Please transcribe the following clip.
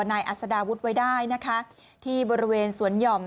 นายอัศดาวุฒิไว้ได้นะคะที่บริเวณสวนหย่อม